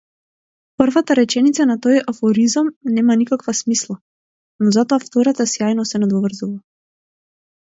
Првата реченица на тој афоризам нема никаква смисла, но затоа втората сјајно се надоврзува.